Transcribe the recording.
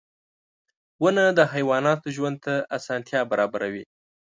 • ونه د حیواناتو ژوند ته اسانتیا برابروي.